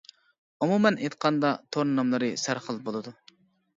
ئومۇمەن ئېيتقاندا تور ناملىرى سەرخىل بولىدۇ.